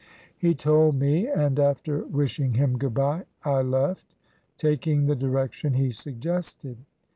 He told me, and after wishing him good bye I left, taking the direction he suggested.